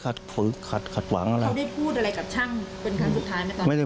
เค้าได้พูดอะไรกับช่างเป็นครั้งสุดท้ายไหมแล้ว